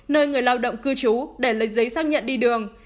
nơi người lao động cư trú để lấy giấy xác nhận đi đường